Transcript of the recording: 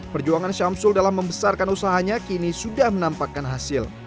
perjuangan syamsul dalam membesarkan usahanya kini sudah menampakkan hasil